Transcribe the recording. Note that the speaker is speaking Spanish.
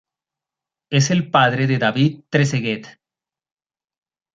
Es el padre de David Trezeguet.